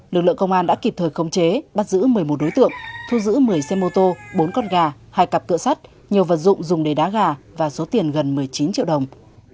lực lượng công an đã kịp thời khống chế bắt giữ một mươi một đối tượng thu giữ một mươi xe mô tô bốn con gà hai cặp cửa sắt nhiều vật dụng dùng để đá gà và số tiền gần một mươi chín triệu đồng